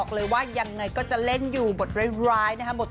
คุณน้องก็ทำงานได้ปกติขับรถ